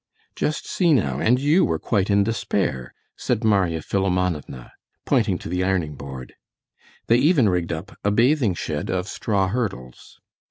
"Just see, now, and you were quite in despair," said Marya Philimonovna, pointing to the ironing board. They even rigged up a bathing shed of straw hurdles.